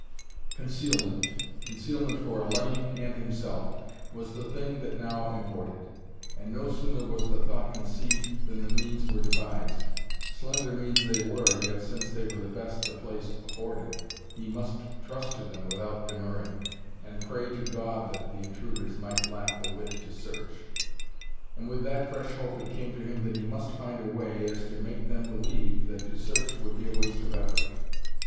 Concealment concealment for Hellayne and himself was the thing that now imported, and no sooner was the thought conceived than the means were devised. Slender means they were, yet since they were the best the place afforded, he must trust to them without demurring, and pray to God that the intruders might lack the wit to search. And with that fresh hope it came to him that he must find a way as to make them believe that to search would be a waste of effort.